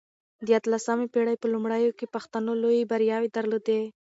د اته لسمې پېړۍ په لومړيو کې پښتنو لويې برياوې درلودې.